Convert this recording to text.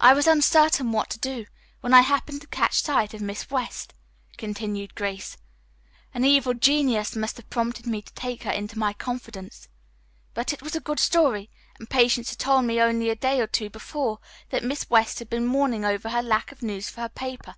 "I was uncertain what to do, when I happened to catch sight of Miss West," continued Grace. "An evil genius must have prompted me to take her into my confidence. But it was a good story, and Patience had told me only a day or two before that Miss West had been mourning over her lack of news for her paper.